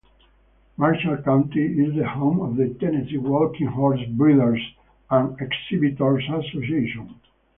Marshall County is the home of the Tennessee Walking Horse Breeders' and Exhibitors' Association.